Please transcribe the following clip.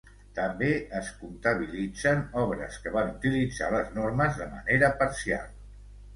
També es comptabilitzen obres que van utilitzar les normes de manera parcial.